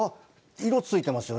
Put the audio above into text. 色ついてますよね。